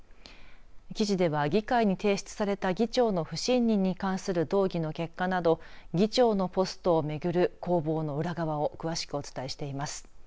記事では議会に提出された議長の不信任に関する動議の結果など議長のポストを巡る攻防の裏側を詳しくお伝えしています。